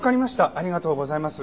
ありがとうございます。